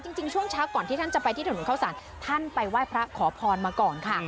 จริงช่วงเช้าก่อนที่ท่านจะไปที่ถนนเข้าสารท่านไปไหว้พระขอพรมาก่อนค่ะ